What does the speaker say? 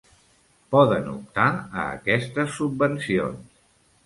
Poden optar a aquestes subvencions.